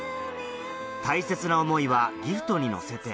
大切な思いはギフトに乗せて